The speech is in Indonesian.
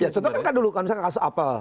ya contoh kan dulu kan misalnya kasus apel